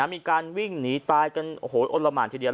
มีการวิ่งหนีตายกันโอ้โหอ้นละหมานทีเดียว